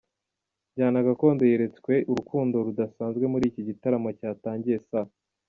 njyana Gakondo yeretswe urukundo rudasanzwe muri iki gitaramo cyatangiye saa.